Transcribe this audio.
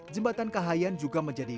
jembatan kahayan juga menjadi